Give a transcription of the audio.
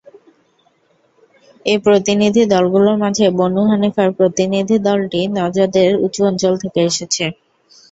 এ প্রতিনিধি দলগুলোর মাঝে বনু হানীফার প্রতিনিধি দলটি নজদের উঁচু অঞ্চল থেকে এসেছে।